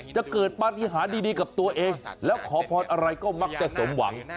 จะเกิดปฏิหารดีกับตัวเองแล้วขอพรอะไรก็มักจะสมหวัง